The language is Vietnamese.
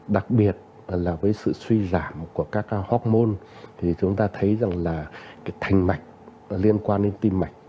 đặc biệt là với sự suy giảm của các hopmon thì chúng ta thấy rằng là cái thành mạch liên quan đến tim mạch